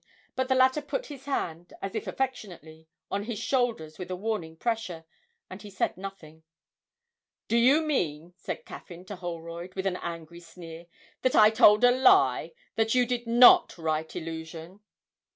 But the latter put his hand, as if affectionately, on his shoulder with a warning pressure, and he said nothing. 'Do you mean,' said Caffyn to Holroyd, with an angry sneer, 'that I told a lie that you did not write "Illusion"?'